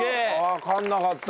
わかんなかった。